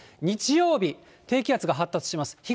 日曜日、低気圧が発達します。